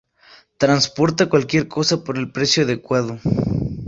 Transporta cualquier cosa por el precio adecuado.